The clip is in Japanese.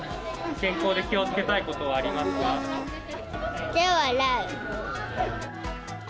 健康で気をつけたいことはあ手を洗う。